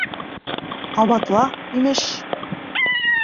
Ҡабатла, имеш!